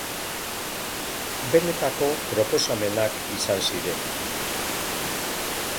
Benetako proposamenak izan ziren.